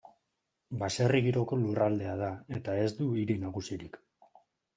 Baserri-giroko lurraldea da, eta ez du hiri nagusirik.